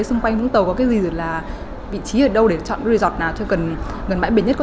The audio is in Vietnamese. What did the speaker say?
xung quanh vũng tàu có cái gì rồi là vị trí ở đâu để chọn cái resort nào cho cần gần bãi biển nhất có